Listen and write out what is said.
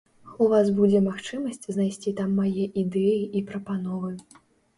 У вас будзе магчымасць знайсці там мае ідэі і прапановы.